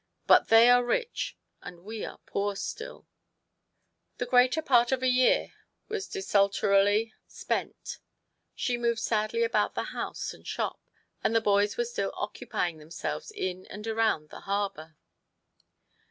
But they are rich, and we are poor still." The greater part of a year was desultorily 128 TO PLEASE HIS WIFE. spent. She moved sadly about the house and shop, and the boys were still occupying themselves in and around the harbour.